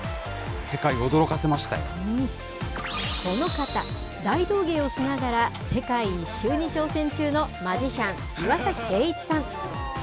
この方、大道芸をしながら世界一周に挑戦中のマジシャン、岩崎圭一さん。